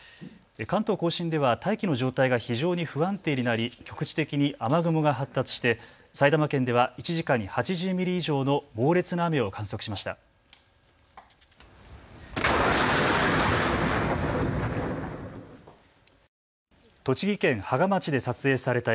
関東甲信では大気の状態が非常に不安定になり局地的に雨雲が発達して埼玉県では１時間に８０ミリ以上の猛烈な雨を観測しました。